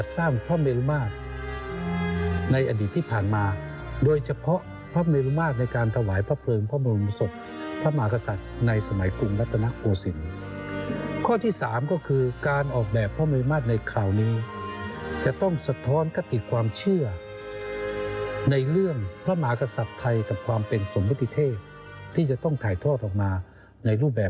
สร้างพระเมรุมาตรในอดีตที่ผ่านมาโดยเฉพาะพระเมรุมาตรในการถวายพระเพลิงพระบรมศพพระมหากษัตริย์ในสมัยกรุงรัตนโกศิลป์ข้อที่สามก็คือการออกแบบพระเมมาตรในคราวนี้จะต้องสะท้อนคติความเชื่อในเรื่องพระมหากษัตริย์ไทยกับความเป็นสมมุติเทพที่จะต้องถ่ายทอดออกมาในรูปแบบ